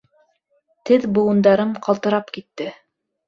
Теҙ быуындарым ҡалтырап китте.